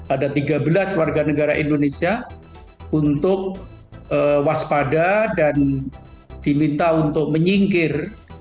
ada tiga belas warga negara indonesia untuk waspada dan diminta untuk menyingkir